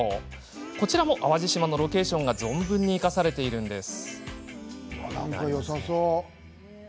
こちらも淡路島のロケーションが存分に生かされています。